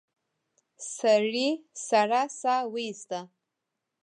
سړي سړه سا ويسته.